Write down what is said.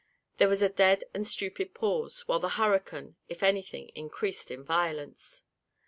There was a dead and stupid pause, while the hurricane, if any thing, increased in violence.